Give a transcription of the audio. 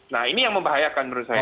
nah ini yang membahayakan menurut saya